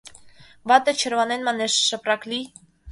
Вате черланен, манеш, шыпрак лий!